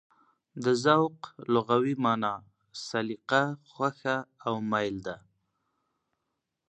د ذوق لغوي مانا: سلیقه، خوښه او مېل ده.